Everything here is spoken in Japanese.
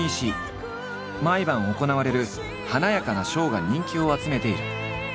毎晩行われる華やかなショーが人気を集めている。